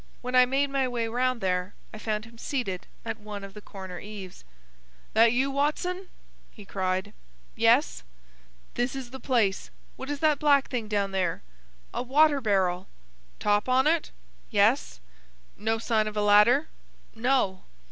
When I made my way round there I found him seated at one of the corner eaves. "That you, Watson?" he cried. "Yes." "This is the place. What is that black thing down there?" "A water barrel." "Top on it?" "Yes." "No sign of a ladder?" "No."